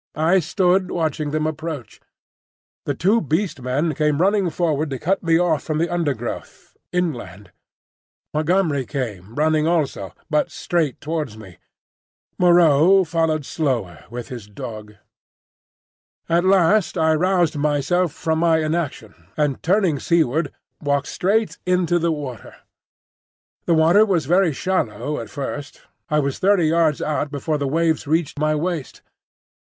I stood watching them approach. The two Beast Men came running forward to cut me off from the undergrowth, inland. Montgomery came, running also, but straight towards me. Moreau followed slower with the dog. At last I roused myself from my inaction, and turning seaward walked straight into the water. The water was very shallow at first. I was thirty yards out before the waves reached to my waist.